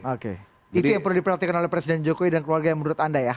oke itu yang perlu diperhatikan oleh presiden jokowi dan keluarga yang menurut anda ya